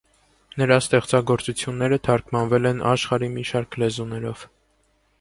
Նրա ստեղծագործությունները թարգմանվել են աշխարհի մի շարք լեզուներով։